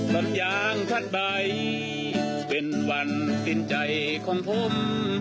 บรรยางท่านใบเป็นวันสิ้นใจของผม